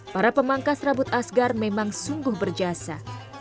para pemangkas rambut asgar memang sungguh berjasa